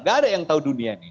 gak ada yang tahu dunia ini